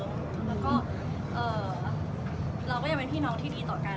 แล้วก็เราก็ยังเป็นพี่น้องที่ดีต่อกัน